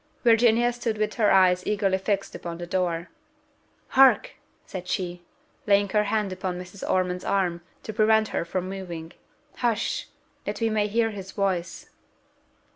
Virginia stood with her eyes eagerly fixed upon the door: "Hark!" said she, laying her hand upon Mrs. Ormond's arm, to prevent her from moving: "Hush! that we may hear his voice."